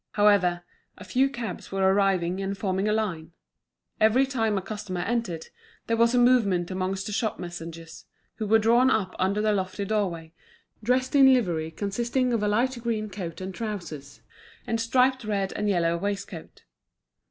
However, a few cabs were arriving and forming a line. Every time a customer entered, there was a movement amongst the shop messengers, who were drawn up under the lofty doorway, dressed in livery consisting of a light green coat and trousers, and striped red and yellow waistcoat.